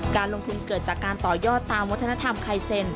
การลงทุนเกิดจากการต่อยอดตามวัฒนธรรมไคเซ็น